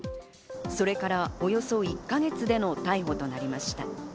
それからおよそ１か月での逮捕となりました。